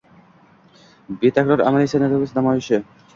Betakror amaliy san’atimiz namoyishing